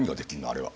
あれは。